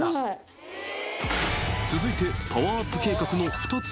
［続いてパワーアップ計画の２つ目］